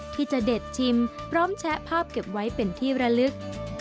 ที่จะเด็ดชิมพร้อมแชะภาพเก็บไว้เป็นที่ระลึก